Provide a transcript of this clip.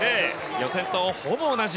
予選とほぼ同じ。